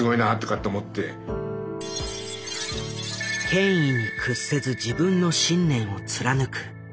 「権威に屈せず自分の信念を貫く」。